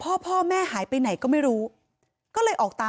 ชาวบ้านในพื้นที่บอกว่าปกติผู้ตายเขาก็อยู่กับสามีแล้วก็ลูกสองคนนะฮะ